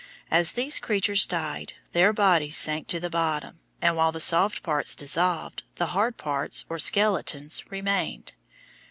As these creatures died, their bodies sank to the bottom, and while the soft parts dissolved, the hard parts or skeletons remained.